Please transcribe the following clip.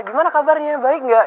gimana kabarnya baik gak